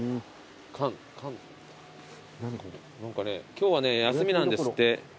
今日はね休みなんですって。